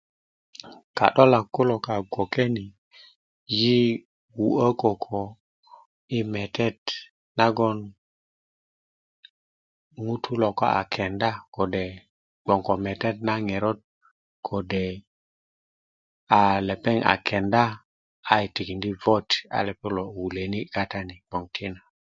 kadolak kaŋ kulo i bgoke ni yi wu'yo koko i metett nagon ŋutu ko a kenda bgoŋ ko metet na ŋerot kode a lepeŋ a kenda a iti vot a lepeŋ wuleni kata ni bgoŋ ti na